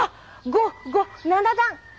５５７段。